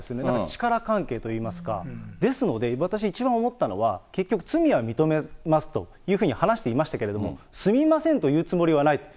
力関係といいますか、ですので、私、一番思ったのは、結局、罪は認めますというふうに話していましたけれども、すみませんと言うつもりはないと。